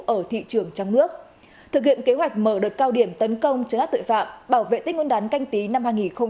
ở thị trường trăng nước thực hiện kế hoạch mở đợt cao điểm tấn công cho lá tội phạm bảo vệ tết nguồn đán canh tí năm hai nghìn hai mươi